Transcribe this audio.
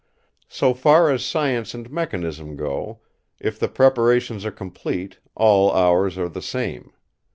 So far as science and mechanism go, if the preparations are complete, all hours are the same.